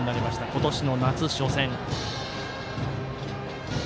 今年の夏初戦。